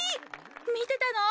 みてたの？